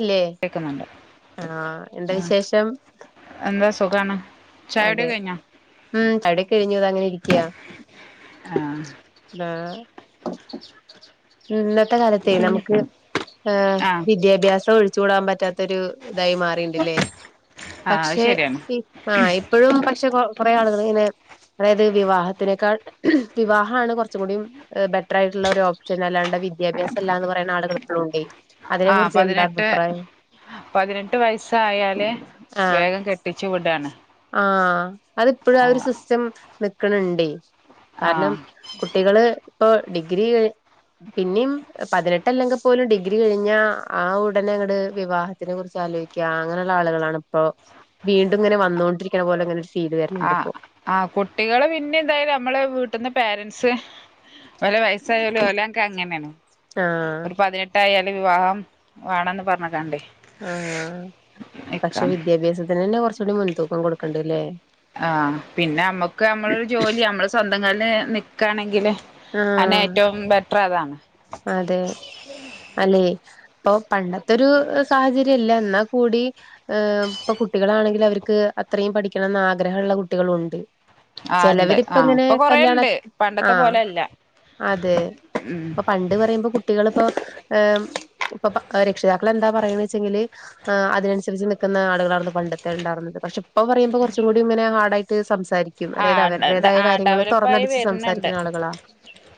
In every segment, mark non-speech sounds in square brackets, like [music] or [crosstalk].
ഇല്ലെ കേക്കുന്നുണ്ട് ആഹ് എന്താ ആ വിശേഷം എന്താ സുഖമാണ് അതെ ഉം തടി കഴിഞ്ഞു അത അങ്ങനെ ഇരിക്കയാ ആ ആഹ് ഇന്നത്തെ കാലത്തെ നമുക്ക് അഹ് ആ വിദ്യാഭ്യാസം ഒഴിച്ച ഒഴിചൂടാൻ പറ്റാത്ത ഒരു ഇതായി മാറിണ്ടില്ലേ ആ അത് പക്ഷെ ശരിയാണ് ഇ അഹ് എപ്പോഴും പക്ഷെ കുറേ ആളുകൾ ഇങ്ങനെ അതായത് വിവാഹത്തിനേക്കാൾ വിവാഹമാണ് കുറച്ച കൂടി ബെറ്ററായിട്ടുള്ള ഒരു ഓപ്ഷൻ അല്ലാണ്ട് വിദ്യാഭ്യാസംല്ലാ എന്ന് പറയുന്ന ആളുകൾ ഇപ്പോഴ ഉണ്ടേ ആ അതിനെ കുറിച്ച് എന്താ പതിനെട്ട് അഭിപ്രായം പതിനെട്ട് വയസ്സ ആയല് ആഹ് വേഗം കെട്ടി ട്ടിച്ചു വിടാണ് ആഹ് അതിപ്പോഴും ആ ഒരു സിസ്റ്റം നിക്കണിണ്ടേ ആ കാരണം കുട്ടികള് ഇപ്പൊ ഡിഗ്രി കഴി പിന്നെയും പതിനെട്ടല്ലെങ്കിൽ പോലും ഡിഗ്രി കഴിഞ്ഞാ ആ ഉടനെ ങ്ങട് വിവാഹത്തിനെ കുറിച്ച് ആലോചിക്കും അങ്ങനെയുള്ള ആളുകളാണ് ഇപ്പോ വീണ്ടും ഇങ്ങനെ വന്നൊണ്ടിരിക്കണ പോലെ അങ്ങനെ ഒരു ഫീല് വരണണ്ട് ഇപ്പോ ആഹ കുട്ടികള് പിന്നെ എന്തായാല നമ്മെ വീട്ടന്ന് പേരൻറ്സ് വല വയസ്സായല വല എനക്ക് അങ്ങനെയാണ് ആഹ് ഒരു പതിനെട്ട് ട്ടായാലും വിവാഹം വേണന്ന് പറഞ്ഞ കണ്ടേ ആഹ പക്ഷെ വിദ്യാഭ്യാസത്തിന് തന്നെ കൊറച്ചൂടി മുൻതൂക്കം കൊടുക്കണ്ടല്ലേ ആഹ് പിന്നെ നമ്മുക്ക് നമ്മളരു ജോലി നമ്മള് സ്വന്തം കാല നിക്കാണെങ്കില് അനെ ആഹ് ഏറ്റവും ബെറ്റർ അതാണ് അതെ അല്ലെ അപ്പൊ പണ്ടത്തെരു സാഹചര്യല്ല എന്നാ കൂടി ഇപ്പൊ കുട്ടികളാണെങ്കിൽ അവർക്ക് അത്രയും പഠിക്കണംന്ന് ആഗ്രഹമ ഉള്ള കുട്ടികളുണ്ട് ആഹ് ഉണ്ട് ചെലവരിപ്പ ആഹ് ഇങ്ങനെ ഇപ്പൊ കൊറേ കല്യാണ ഉണ്ട് പണ്ടത്തെ ആഹ് പോലെല്ല അതെ ഉം ഇപ്പൊ പണ്ട് പറയുമ്പോ കുട്ടികളിപ്പോ ഏഹ് ഇപ്പൊ രക്ഷിതാക്കൾ എന്താ പറയണ വെച്ചെങ്കില് ആ അതിനനുസരിച്ച് നിക്കുന്ന ആളുകളായിരുന്നു പണ്ടത്തെ ഉണ്ടായിരുന്നത് പക്ഷെ ഇപ്പൊ പറയുമ്പോ കുറച്ചും കൂടി ഇങ്ങനെ ഹാർഡായിട്ട് സം തായിരിക്കും അതായത് ആഹ് അവരുടെതായ ആഹ് കാര്യങ്ങള് ഡെവലപ്പായി തുറന്നടിച്ച് വരുന്നുണ്ട് സംസാരിക്കുന്ന ആളുകളാ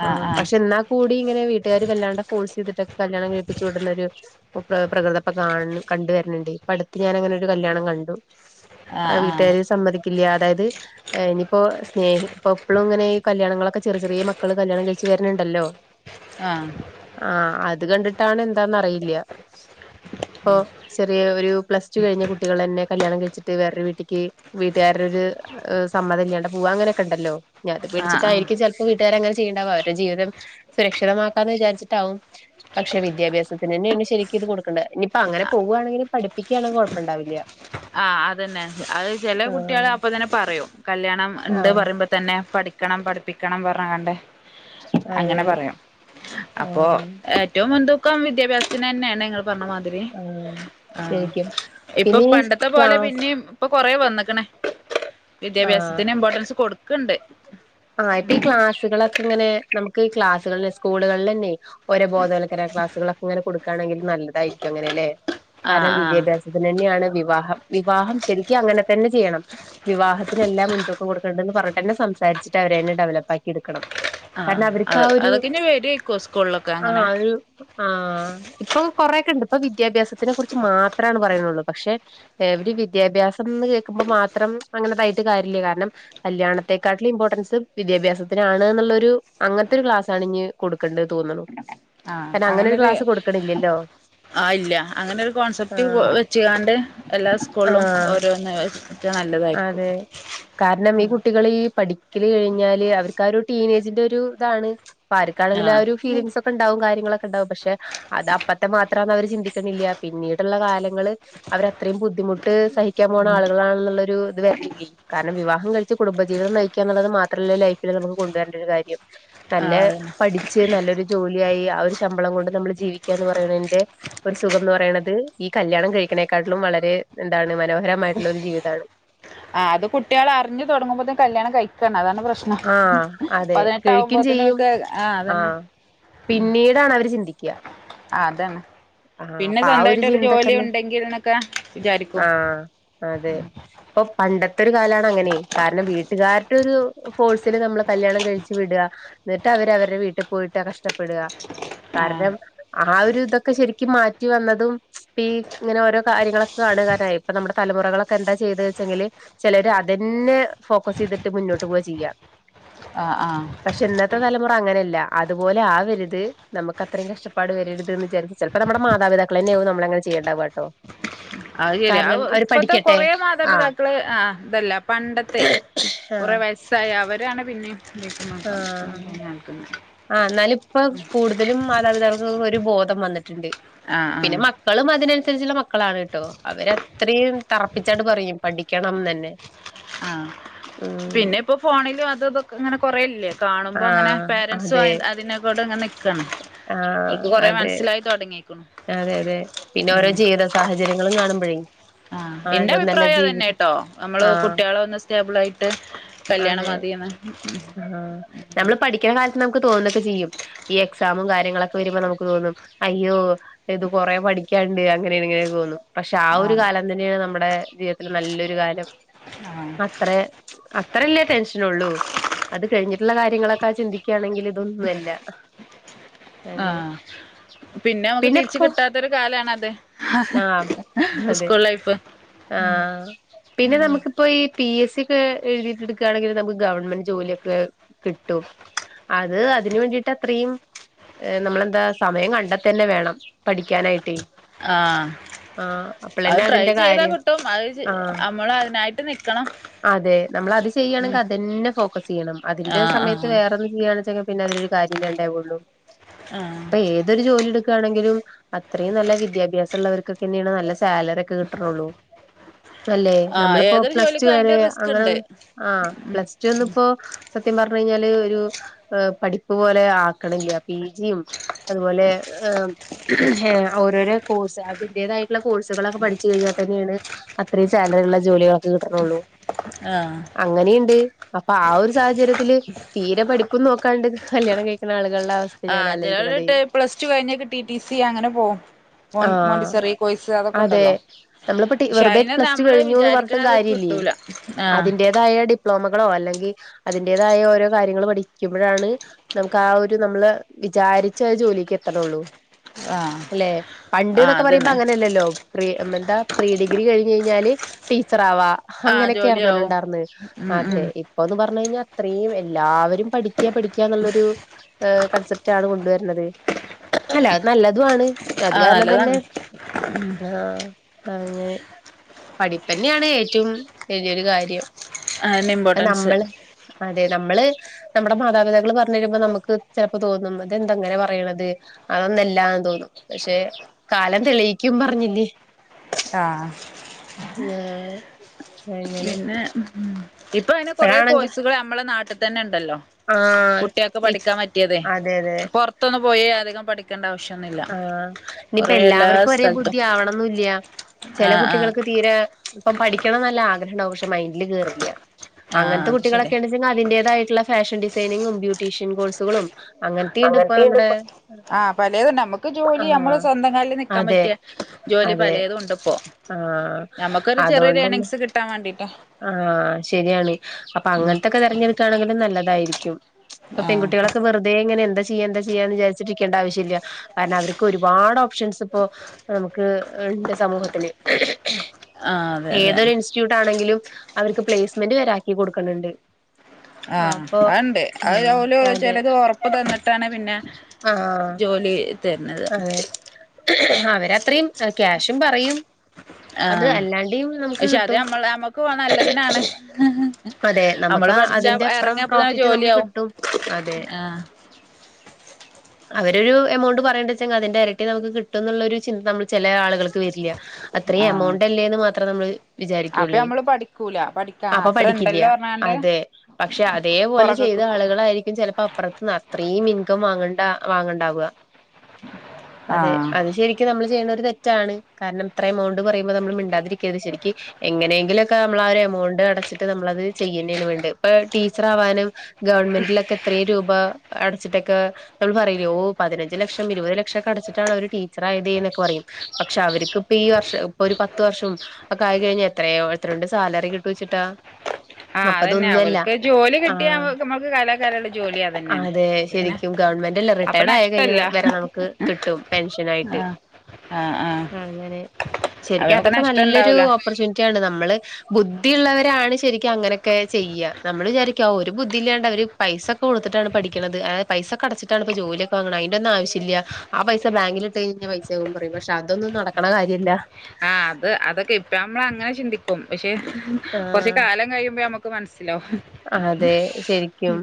ആഹ് ആഹ് പക്ഷെ എന്നാ കൂടി ഇങ്ങനെ വീട്ടുകാർ വല്ലാണ്ട് ഫോഴസ് ചെയ്തിട്ടൊക്കെ കല്യാണം കഴിപ്പിച്ച് വിടുന്നരു പ്രകൃതപ്പ കാ കണ്ടുവരണണ്ട് ഇപ്പ അടുത്ത് ഞാൻ അങ്ങനെ ഒരു കല്യാണം കണ്ടു ആഹ് ആ ആഹ് വീട്ടുകാര സമ്മതി അതായത് ഇനിപ്പോ സ്നേഹി ഇപ്പോ എപ്പഴും ഇങ്ങനെഈ കല്യാണങ്ങളൊക്കെ ചെറിയ ചെറിയ മക്കൾ കല്യാണം കഴിച്ച് വരണണ്ടല്ലോ ആഹ് ആഹ് അത് കണ്ടിട്ടാണ് എന്താന്ന് അറിയില്ല ഇപ്പൊ ചെറിയ ഒരു പ്ലസ് ടുകഴിഞ്ഞ കുട്ടികൾന്നെ കല്യാണം കഴിച്ചിട്ട് വേറൊരു വീട്ടിക്ക് വീട്ടുകാര ഒരു സമ്മതില്ലാണ്ട് പൂവ അങ്ങനെൊക്കെണ്ടല്ലോ അത് ആഹ് ആഹ് പേടിച്ചിട്ടായിരിക്കും ചില ട്ടുകാർ അങ്ങനെ ചെയ്യണ്ടാവ അവരുടെ ജീവിതം സുരക്ഷിതമാക്കാ എന്ന് വിചാരിച്ചിട്ടാവും പക്ഷെ വിദ്യാഭ്യാസത്തി തന്നെയാണ് ശരിക്കും ഇത് കൊടുക്കണ്ടത് ഇനിപ്പോ അങ്ങനെ പോവാണെങ്കി പഠിപ്പിക്കയാണെങ്കിൽ കൊഴപ്പംണ്ടാവില്ല ആഹ് അതന്നെ അത് ചെലെ കുട്ടികള് ആഹ് അപ്പൊ തന്നെ പറയും കല്യാണം ഇണ്ട് ആഹ് പറയുമ്പോ തന്നെ പഠിക്കണം പഠിപ്പിക്കണം പറഞ്ഞങ്ങാണ്ട് അതെ അങ്ങനെ പറയും അപ്പൊ ആഹ് ഏറ്റവും മുൻതൂ ക്കം വിദ്യാഭ്യാസത്തിന് തന്നേണ് ങ്ങൾ പറഞ്ഞമാതിരി ആഹ് ആഹ് ശരിക്കും ഇപ്പം പിന്നെ ഈ പണ്ടത്തെ പോലെ ക്ലാസ് പിന്നെയും ഇപ്പൊ കൊറെ വന്നിക്ക്ണ് ആഹ് വിദ്യാഭ്യാസത്തിന് ഇമ്പോർട്ടൻസ് കൊടുക്ക്ണ്ട് ആഹ് ഇപ്പ ഈ ക്ലാസുകളൊക്കെ ഇങ്ങനെ നമുക്ക് ഈ ക്ലാസ്സുകളെ സ്കൂളുകളിലെന്നെ ഓരോ ബോധവൽക്കരണ ക്ലാസുകളൊക്കെ ഇങ്ങനെ കൊട്ക്കാണെങ്കിൽ നല്ലതായിരിക്കും അങ്ങനെല്ലെ ആഹ് കാരണം ആഹ് വിദ്യാഭ്യാസം ത്തിന് തന്നെയാണ് വിവാഹം വിവാഹം ശരിക്കും അങ്ങനെ തന്നെ ചെയ്യണം വിവാഹത്തിനെല്ലാ മുൻതൂക്കം കൊടുക്കണ്ടെന്ന് പറഞ്ഞട്ട് തന്നെ സംസാരിച്ചിട്ട് അവരെന്നെ ഡെവലപ്പാക്കി എടുക്കണം ആഹ് കാരണം അവര്ക്ക് അത് ആ ഒരു അതൊക്കെ ഇനി വരുവായിരിക്കും സ്കൂളിലൊക്കെ അങ്ങനെ ആഹ് ഒരു ആഹ് ഇപ്പൊ കൊറേക്കെ ഇണ്ട് ഇപ്പൊ വിദ്യാഭ്യാസത്തിനെ കുറിച്ച് മാത്രാണ് പറയാനുള്ളൂ പക്ഷെ എവര് വിദ്യാഭ്യാസംന്ന് കേക്കുമ്പോ മാത്രം അങ്ങനെതായിട്ട് കാര്യല്ല കാരണം കല്യാണത്തെക്കാട്ടിലും ഇമ്പോർട്ടൻസ് വിദ്യാഭ്യാസത്തിനാണ് ന്നുള്ളൊരു അങ്ങനത്തെ ഒരു ക്ലാസ്സാണ് ഇനി കൊടുക്കണ്ടത് തോന്നണു ആ അങ്ങനെരു ആഹ് ഇല്ല അങ്ങനൊരു കോൺസെപ്റ്റ് ആഹ് വെച്ച്ങ്ങാണ്ട് എല്ലാ ഉസ്കൂളിലും ആഹ് ഓരോന്ന് ഒക്കെ നല്ലതായിരിക്കും അതെ കാരണം ഈ കുട്ടികള് ഈ പഠിക്കല് കഴിഞ്ഞാല് അവർക്ക് ആ ഒരു ടീനേജിന്റെ ഒരു ഇതാണ് അപ്പെ ആര്ക്കാണെങ്കിലും ആ ആഹ് ഒരു ഫീലിങ്ങ്സ്‌ ഒക്കെ ഇണ്ടാവും കാര്യങ്ങളക്കെണ്ടാവും പക്ഷേ അത് അപ്പത്തെ മാത്രാന്ന് അവര് ചിന്തിക്ക്ണില്ല പിന്നീടുള്ള കാലങ്ങള് അവരത്രയും ബുദ്ധിമുട്ട് സഹിക്കാൻ പോണ ആളുകളാണെന്നുള്ളൊരു ഇത് വരണെങ്കിൽ കാരണം വിവാഹം കഴിച്ച് കുടുംബജീവിതം നയിക്കുക എന്നുള്ളത് മാത്രല്ല ലൈഫില് നമുക്ക് കൊണ്ടുവരണ്ട ഒരു കാര്യം നല്ല ആഹ് അതന്നെ പഠിച്ച് നല്ലൊരു ജോലിയായി ആ ഒരു ശമ്പളം കൊണ്ട് നമ്മൾ ജീവിക്കാന്ന് പറയ്ണതിന്റെ ഒരു സുഖംന്ന് പറയണത് ഈ കല്യാണം കഴിക്കണേക്കാട്ടിലും വളരെ എന്താണ് മനോഹരമായിട്ടുള്ള ഒരു ജീവിതാണ് ആഹ് അത് കുട്ടികൾ അറിഞ്ഞു തുടങ്ങുമ്പത്തേക്കും കല്യാണം കഴി ക്കാണ് അതാണ് പ്രശ്നം ആഹ് അതെ പതിനെട്ട് കഴിക്കും ആവുമ്പത്തേനും ചെയ്യും ഓൽക്ക് ആഹ് അതന്നെ പിന്നീടാണ് അവര് ചിന്തിക്ക അതാണ് ആഹ് പിന്നെ അപ്പൊ ആ ഒരു സ്വന്തായിട്ടൊരു ജോലി ചിന്തക്കന്ന് ഉണ്ടെങ്കിൽ എന്നൊക്കെ വിചാരിക്കും ആഹ് അതെ ഇപ്പൊ പണ്ടത്തൊരു കാലാണ് അങ്ങനെ കാരണം വീട്ടുകാർ ട്ടൊരു ഫോഴ്സിൽ നമ്മളെ കല്യാണം കഴിച്ചു വിടുക എന്നിട്ട് അവര് അവരുടെ വീട്ടിൽ പോയിട്ട് കഷ്ടപ്പെട്ക ആഹ് കാരണം ആ ഒരു ഇതൊക്കെ ശരിക്കും മാറ്റി വന്നതും ഇപ്പ ഈ ഇങ്ങനെ ഓരോ കാര്യങ്ങളൊക്കെ കാണുകാനായി ഇപ്പൊ നമ്മുടെ തലമുറകളൊക്കെ എന്താ ചെയ്തത് വെച്ചെങ്കില് ചിലര് അതെന്നെ ഫോക്കസ് ചെയ്തിട്ട് മുന്നോട്ട് പോവാ ചെയ്യാ ആഹ് ആഹ് പക്ഷെ ഇന്നത്തെ തലമുറ അങ്ങനെയല്ല അതുപോലെ ആവരുത് നമുക്ക് അത്രയും കഷ്ടപ്പാട് വരരുത് എന്ന് വിചാരിച്ച നമ്മടെ മാതാപിതാക്കളെന്നേവും നമ്മളെ അങ്ങനെ ചെയ്യണ്ടാവാട്ടോ അത് ശെരിയാ അഹ് ഇപ്പത്തെ കൊറേ ആഹ് മാതാപിതാക്കള് ആഹ് ഇതല്ല പണ്ടത്തേ കുറെ ആഹ് വയസ്സായ അവരാണ് പിന്നേം ആഹ് [unintelligible] ആഹ് എന്നാലും ഇപ്പം കൂടുതലും മാതാപിതാക്കൾക്ക് ഒരു ബോധം വന്നിട്ടുണ്ട് ആഹ് ആഹ് പിന്നെ മക് ക്കളും അതിനനുസരിച്ചുള്ള മക്കളാണ് കേട്ടോ അവരത്രയും തറപ്പിച്ചങ്ങട് പറയും പഠിക്കണംന്ന്ന്നെ ആഹ് പിന്നെ ഇപ്പൊ ഫോണിലും അതും ഇതൊക്കെ ഇങ്ങനെ കൊറേല്ലെ കാണുമ്പോ അങ്ങനെ ആഹ് പേരന്റ്സും അതെ അത് അതിനെക്കൊട് ഇങ്ങനെ നിക്കാണ് ആഹ് ഓൽക്ക് കൊറേ മനസ്സിലാ അതെ മനസ്സിലായി തുടങ്ങി അതെ അതെ പിന്നെ ഓരോ ജീവിത സാഹചര്യങ്ങളും കാണുമ്പോഴേയ് ആഹ് ഇന്റെ അഭിപ്രായം അത് തന്നെട്ടോ നമ്മള് ആഹ് കുട്ടികളെ ഒന്ന് സ്റ്റേബിൾ ആയിട്ട് കല്യാണം അതെ മതീന്ന് ആഹ് നമ്മള് പഠിക്കണ കാലത്ത് നമുക്ക് തോന്നുന്നതൊക്കെ ചെയ്യും ഈ എക്സാമും കാര്യങ്ങളൊക്കെ വരുമ്പോ നമുക്ക് തോന്നും അയ്യോ ഇത് കൊറേ പഠിക്കാന്ണ്ട്, അങ്ങനെ ഇങ്ങനെയൊക്ക തോന്നും, പക്ഷെ ആ ഒരു ആഹ് കാല ത് തന്നെയാണ് നമ്മുടെ ജീവിതത്തിൽ നല്ലൊരു കാലം. ആഹ് അത്ര അത്രല്ലേ ടെൻഷൻ ഉള്ളു അത് കഴിഞ്ഞിട്ടുള്ള കാര്യങ്ങളൊക്കെ ചിന്തിക്കുകയാണെങ്കിൽ ഇതൊന്നുല്ല [unintelligible] അങ്ങനെ പിന്നെ നമുക്ക് തിരിച്ച് കിട്ടാത്ത ഒരു കാലാണത് ആഹ് അതെ സ്കൂൾ ലൈഫ് ആഹ് പിന്നെ നമുക്കിപ്പോ ഈ പി എസ് സി ഒക്കെ എഴുതിട്ട് എടുക്കുകയാണെങ്കിൽ നമുക്ക് ഗവൺമെന്റ് ജോലിയൊക്കെ കിട്ടും അത് അതിന് വേണ്ടിട്ട് അത്രയും നമ്മളെന്താ സമയം കണ്ടെത്തുക തന്നെ വേണം പഠിക്കാനായിട്ടേ ആഹ് ആഹ് അത് അപ്പളന്നെ ട്രൈ അതിന്റെ ചെയ്താ കാര്യം കിട്ടും, അത് ആഹ് നമ്മൾ അതിനായിട്ട് നിക്കണം അതെ നമ്മൾ അത് ഉം ചെയ്യുകയാണെങ്കിൽ അതന്നെ ഫോക്കസ് ചെയ്യണം. അതിന്റെ ആഹ് സമയത്ത് ആഹ് വേറൊന്ന് ചെയ്യാണെച്ചാങ്കിൽ പിന്നെ അതിനൊരു കാര്യം ഇല്ലാണ്ടാവൊള്ളൂ ആഹ് ഇപ്പൊ ഏതൊരു ജോലി എടുക്കുകയാണെങ്കി ങ്കിലും അത്രയും നല്ല വിദ്യാഭ്യാസള്ളവർക്കൊക്കെന്നെയാണ് നല്ല സാലറി ഒക്കെ കിട്ട്ണ്ള്ളൂ അല്ലെ ആഹ് നമ്മളിപ്പോ ഏതൊരു പ്ലസ് ടു ജോലിക്കും വരെ അയിന്റെ റിസ്ക് അങ്ങനെ ഉണ്ട് ആഹ് ഉം പ്ലസ് ടു ഒന്നും ഇപ്പോ സത്യം പറഞ്ഞു കഴിഞ്ഞാല് ഒരു പഠിപ്പ് പോലെ ആക്കണില്ല, പി ജി യും അതുപോലെ ഉം ഏഹ് ഓരോരോ കോഴ്സ്, അതിന്റെതായിട്ടുള്ള കോഴ്സുകളൊക്കെ പഠിച്ചു കഴിഞ്ഞാൽ തന്നെയാണ് അത്രയും സാലറി ഉള്ള ജോലികളൊക്കെ കിട്ടണള്ളൂ ആഹ് അങ്ങനെയുണ്ട്, അപ്പൊ ആ ഒരു സാഹചര്യത്തില് തീരെ പഠിപ്പും നോക്കാണ്ട് കല്യാണം കഴി ക്ക്ണ ആളുകളുടെ അവസ്ഥയാണ് ഞാൻ ആഹ് ആലോചിക്കണതേ ചിലവര് പ്ലസ് ടു കഴിഞ്ഞിട്ട് ടി ടി സി അങ്ങനെ പോവും ആ മോണ്ടിസോറി കൊയ്സ് അതൊക്കെ അതെ ഉണ്ടല്ലോ. നമ്മളിപ്പോ പക്ഷെ വെറുതെ അയ്ന് പ്ലസ് ടു നമ്മള് വിചാരിക്ക്‌ണ അത് കിട്ടൂല ആഹ് അതിന്റെതായ ഡിപ്ലോമകളോ അല്ലെങ്കിൽ അതിന്റേതായ ഓരോ കാര്യങ്ങള് പഠിക്കുമ്പോഴാണ് നമുക്ക് ആ ഒരു നമ്മള് വിചാരിച്ച ജോലിക്ക് എത്തണുള്ളൂ ആഹ് അല്ലെ പണ്ട് ആഹ് എന്നൊക്കെ പറയുമ്പോ അതന്നെ അങ്ങനെയല്ലല്ലോ പ്രീ എന്താ പ്രീ ഡിഗ്രി കഴിഞ്ഞ് കഴിഞ്ഞാല് ടീച്ചർ ആവാം ആഹ് അങ്ങനെയൊക്കെ ആർന്നല്ലോ ജോലിയാവും ഉണ്ടാർന്ന് ഉം ഉം അതെ ഇപ്പോന്ന് പറഞ്ഞു കഴിഞ്ഞാൽ അത്രയും എല്ലാവരും പഠിക്കുക പഠിക്കുക എന്നുള്ളൊരു കൺസെപ്റ്റ് ആണ് കൊണ്ടുവരണത് അല്ല അത് നല്ലതുവാണ്, അത് ആഹ് കാരണം തന്നെ നല്ലതാണ് ആഹ് അങ്ങനെ പഠിപ്പന്നെയാണ് ഏറ്റവും വലിയൊരു കാര്യം അതിന് ഇമ്പോർട്ടൻസ് നമ്മള് അതെ നമ്മള് നമ്മുടെ മാതാപിതാക്കള് പറഞ്ഞു തരുമ്പോ നമുക്ക് ചെലപ്പോ തോന്നും ഇതെന്തങ്ങനെ പറയണത് അതൊന്നല്ലാന്ന് തോന്നും, പക്ഷെ കാലം തെളീയിക്കും പറഞ്ഞില്ലേ ആഹ് [unintelligible] അങ്ങനെ പിന്നെ ഇപ്പൊ അയ്‌ന് കൊറേ ഇപ്പഴാണെങ്കി കോഴ്സുകൾ നമ്മളെ നാട്ടിൽ തന്നെ ഉണ്ടല്ലോ ആഹ് കുട്ടികൾക്ക് ഇ പഠിക്കാൻ പറ്റിയതെ, അതെ അതെ പൊറത്തൊന്നും പോയി അധികം പഠി ആഹ് ഇനിയിപ്പ എല്ലാ എല്ലാവർക്കും ഒരേ സ്ഥലത്തും ബുദ്ധി ആവണന്നില്ല ചെല ആഹ് ആഹ് കുട്ടികൾക്ക് തീരെ ഇപ്പൊ പഠിക്കണം നല്ല ആഗ്രഹം ഉണ്ടാവും പക്ഷെ മൈന്ഡില് കേറില്ല ആഹ് അങ്ങനത്തെ അത് ശരിയാ കുട്ടികളൊക്കൊണ് അതിന്റേതായിട്ടുള്ള ഫാഷൻ ഡിസൈനിങ്ങും ബ്യൂട്ടീഷ്യൻ കോഴ്സുകളും അങ്ങനത്തിണ്ട് ഇപ്പൊ നമ്മുടെ ആ പലേതുണ്ട് നമ്മുക്ക് ജോലി നമ്മള് ആഹ് സ്വന്തം കാലിൽ നിക്കാൻ അതെ പറ്റിയ ജോലി അതെ പലേതുണ്ട് ഇപ്പോ ആഹ് അതോണ്ടന്നെ കിട്ടാ വാണ്ടിട്ടോ ആഹ് ശെരിയാണ് അപ്പൊ അങ്ങനത്തെൊക്കെ തെരഞ്ഞെടുക്കുകയാണെങ്കിലും നല്ലതായിരിക്കും ഇപ്പൊ ആഹ് പെൺകുട്ടികള വെറുതെ ഇങ്ങനെ എന്താ ചെയ്യാ എന്താ ചെയ്യാ എന്ന് വിചാരിച്ചിരിക്കണ്ട ആവശ്യ ഇല്ല കാരണം അവർക്ക് ഒരുപാട് ഓപ്ഷൻസ് ഇപ്പോ നമുക്ക്ണ്ട് സമൂഹത്തിന് ആഹ് അതെ അതെ ഏതൊരു ഇൻസ്റ്റിറ്റ്യൂട്ട് ആണെങ്കിലും അവർക്ക് പ്ലേസ്മെന്റ് വരാക്കി കൊടുക്കണണ്ട് ആ അപ്പൊ അണ്ട് അത് ഓലു ആഹ് അതെ ചെലത് ഉറപ്പ് തന്നിട്ടാണ് പിന്നെ ആഹ് ജോലി തരുന്നത് അതെ അവരത്രയും ക്യാഷും പറയും അത് ആഹ് അല്ലാണ്ടിം നമുക്ക് പക്ഷെ അത് കിട്ടും മ്മൾ നമ്മുക്ക് നല്ലതിനാണ് അതെ നമ്മള് നമുക്കാ പഠിച്ചാ അതിന്റെ അപ്പറം എറങ്ങിയപ്പതന്നെ പ്രോഫിറ്റ് നമുക്ക് ജോലിയാവും കിട്ടും അതെ ആഹ് അവര ഒരു എമൗണ്ട് പറയേണ്ടത് അതിന്റെ ഇരട്ടി നമുക്ക് കിട്ടും എന്നുള്ള ഒരു ചിന്ത നമ്മള് ചെലേ ആളുകൾക്ക് വരില്ല അത്രേ ആഹ് എമൗണ്ട് ല്ലേന്ന് മാത്രേ നമ്മൾ അപ്പൊ വിചാരിക്കൂള്ളേ നമ്മള് പഠിക്കൂല പഠിക്കാ അപ്പൊ അത്ര പഠിക്കില്ല ഇണ്ടല്ലോ പറഞ്ഞാണ്ട് അതെ പക്ഷെ അതേപോലെ ചെയ്ത പൊറകെക്ക്ക്കും ആളുകളായിരിക്കും ചിലപ്പോ അപ്പറത്ത് അത്രേ ഇൻകം വാങ്ങണ്ട വാങ്ങണ്ടാവുക അതെ ആഹ് അത് ശ ക്കുംനമ്മള് ചെയ്യ്ണ ഒരു തെറ്റാണ് കാരണം ഇത്രേ എമൗണ്ട് പറയുമ്പോ നമ്മൾ മിണ്ടാതിരിക്കരുത് ശരിക്ക് എങ്ങനെയെങ്കിലൊക്കെ നമ്മള ഒരു എമൗണ്ട് അടച്ചിട്ട് നമ്മളത് ചെയ്യന്നേന് വേണ്ട് ഇപ്പൊ ടീച്ചർ ആവാനും ഗവൺമെന്റിലൊക്കെ എത്രേ രൂപ അടച്ചിട്ടൊക്കെ നമ്മൾ പറയില്ലേ ഓ പതിനഞ്ച് ലക്ഷം പ ഇരുപത് ലക്ഷൊക്കെ അടച്ചിട്ടാണ് അവര് ടീച്ചർ ആയതേന് എന്നൊക്കെ പറയും പക്ഷെ അവർക്ക്ിപ്പ ഈ വർഷം ഇപ്പൊ ഒരു പത്ത് വർഷം ആ കായി കഴിഞ്ഞ എത്രയോ എത്രണ്ട് സാലറി കിട്ടുച്ചിട്ടാ ആ അതന്നെ അവർക്ക് ജോലി കിട്ടിയാ ആഹ് നമ്മക്ക് കലാകാലള്ള ജോലി അതന്നെണ് പിന്നെ ഗവൺമെന്റ്ല്ലെ അപ്പൊ റിട്ടയേർഡ് ആയി കഴിഞ്ഞ നഷ്ടല്ല വരെ നമുക്ക് കിട്ടും പെൻഷൻ ആയിട്ട് ആഹ് ആഹ് ആഹ് അങ്ങനെ അത് ശരിക്ക നമുക്ക് അതൊക്കെ നല്ലൊരു നഷ്ടണ്ടാവൂല ഓപ്പർച്യൂണിറ്റി ആണ് നമ്മള് ബുദ്ധിുള്ളവരാണ് ശരിക്കും അങ്ങനെയൊക്കെ ചെയ്യ നമ്മള് വിചാരിക്കുക ഒരു ബുദ്ധിയില്ലാണ്ട അവര് പൈസൊക്കെ കൊടുത്തിട്ടാണ് പഠിക്ക്ണത് പൈസക്കെടച്ചിട്ടാണ് ഇപ്പോ ജോലിയൊക്കെ വങ്ങതി അതിൻ്റെആവശ്യല്ല ആ പൈസ ബാങ്കിലിട്ട് കഴിഞ്ഞ പൈസയാകും പറയും പക്ഷെ അതൊന്നും നടക്കണ കാര്യല്ല ആ അത് അതൊക്കെ ഇപ്പ നമ്മള അങ്ങനെ ചിന്തിക്കും പക്ഷെ ആ കുറച്ച് കാലം കഴിയുമ്പോ നമുക്ക് ക്ക് മനസ്സിലാവു അതെ ശരിക്കും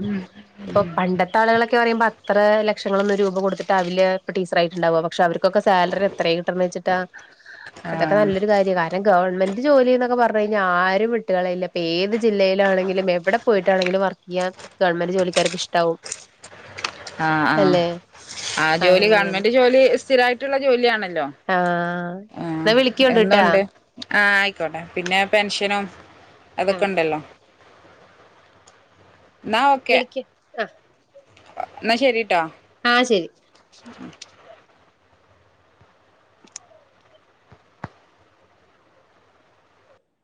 ഇപ്പൊ പണ്ടത്തെ ട്ടാളികളൊക്കെ പറയുമ്പോൾ അത്ര ലക്ഷങ്ങളൊന്ന് രൂപ കൊടുത്തിട്ടാവില്ല ടീച്ചറായിട്ട്ണ്ടാവ പക്ഷെ അവർക്കൊക്കെ സാലറി എത്രേ കിട്ടണേച്ചിട്ടാ ആ അതൊക്ക നല്ലൊരു കാര്യ ണം ഗവൺമെന്റ് ജോലി എന്നൊക്കെ പറഞ്ഞ് കഴിഞ്ഞാൽ ആരും വിട്ടുകളയില്ല ഇപ്പൊ ഏത് ജില്ലയിലാണെങ്കിലും എവിടെ പോയിട്ടാണെങ്കിലും വർക്ക് യ്യാൻ ഗവൺമെന്റ് ജോലിക്കാർക്ക് ഇഷ്ടാവും ആ ആ അല്ലെ ആ ജോലി അങ്ങനെ ഗവൺമെന്റ് ജോലി സ്ഥിരായിട്ടുള്ള ജോലിയാണല്ലോ ആഹ് ആഹ് എന്നാ വിളിക്കോണ്ട് ട്ടാ എന്തുണ്ട് ആഹ് ആയിക്കോട്ടെ പിന്നെ പെൻഷനും ആഹ് അതൊക്കെണ്ടല്ലോ എന്നാ ഓക്കെ വിളിക്ക് ആ എന്നാ ശരീട്ടാ ആഹ് ശരി